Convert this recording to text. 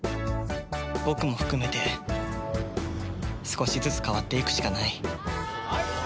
僕も含めて少しずつ変わっていくしかない。